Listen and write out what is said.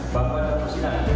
bapak dan pesina